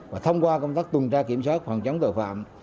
và thông qua công tác tuần tra kiểm soát phòng chống tội phạm